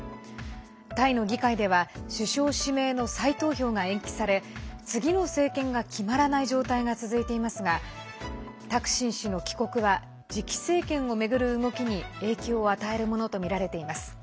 タイの議会では首相指名の再投票が延期され次の政権が決まらない状態が続いていますがタクシン氏の帰国は次期政権を巡る動きに影響を与えるものとみられています。